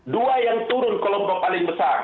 dua yang turun kelompok paling besar